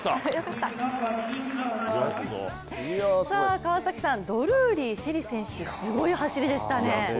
川崎さん、ドルーリー朱瑛里選手、すごい走りでしたね。